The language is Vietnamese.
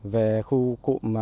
về khu cụm